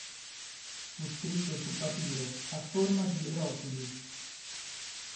Fu scritto su papiro a forma di rotulus.